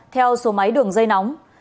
theo số máy đường dây nóng